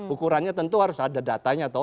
ukurannya tentu harus ada datanya